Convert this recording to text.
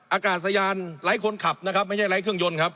อากาศยานไร้คนขับนะครับไม่ใช่ไร้เครื่องยนต์ครับ